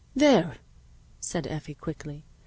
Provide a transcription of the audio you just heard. "There!" said Effie quickly.